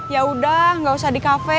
ya udah gak usah di kafe